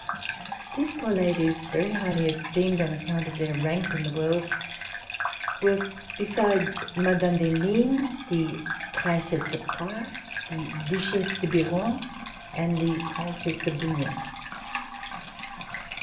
These four ladies, very highly esteemed on account of their rank in the world, were, besides Mme. d'Henin, the Princesse de Poix, the Duchesse de Biron and the Princesse de Bouillon.